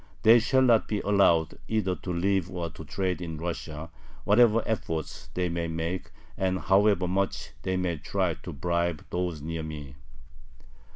They shall not be allowed either to live or to trade in Russia, whatever efforts they may make, and however much they may try to bribe those near me."